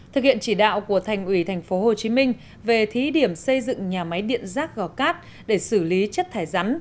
thực hiện chỉ đạo của thành ủy tp hcm về thí điểm xây dựng nhà máy điện rác gò cát để xử lý chất thải rắn